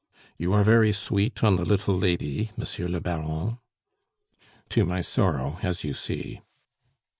"You are very sweet on the little lady, Monsieur le Baron?" "To my sorrow, as you see."